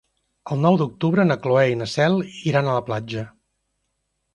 El nou d'octubre na Cloè i na Cel iran a la platja.